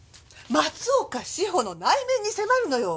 松岡志保の内面に迫るのよ！